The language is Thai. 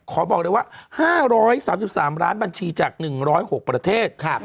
ขอบอกเลยว่าห้าร้อยสามสิบสามล้านบัญชีจากหนึ่งร้อยหกประเทศครับ